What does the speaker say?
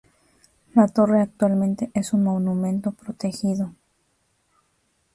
La torre actualmente es un monumento protegido.